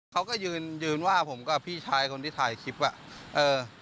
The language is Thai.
เขาก็ยืนยืนว่าผมกับพี่ชายคนที่ถ่ายคลิปว่าเออ